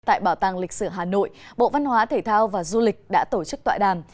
tại bảo tàng lịch sử hà nội bộ văn hóa thể thao và du lịch đã tổ chức tọa đàm